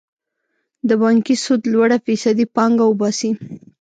د بانکي سود لوړه فیصدي پانګه وباسي.